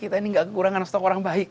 kita ini nggak kekurangan stok orang baik